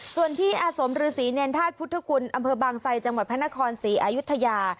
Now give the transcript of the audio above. ส่วนที่อาสมฤษีเนรธาตุพุทธคุณอำเภอบางไซจังหวัดพระนครศรีอายุทยา